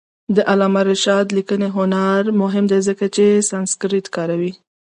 د علامه رشاد لیکنی هنر مهم دی ځکه چې سانسکریت کاروي.